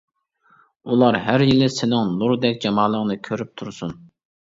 ئۇلار ھەر يىلى سېنىڭ نۇردەك جامالىڭنى كۆرۈپ تۇرسۇن.